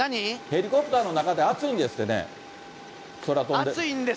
ヘリコプターの中って暑いんですってね、空飛んで。